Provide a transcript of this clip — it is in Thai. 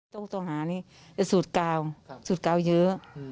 ต้องหาเนี่ยสูตรกาวสูตรกาวยื้อ